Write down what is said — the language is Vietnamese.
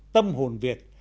tâm hồn việt